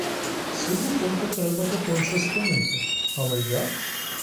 Ці букети треба доконче спинити, але як?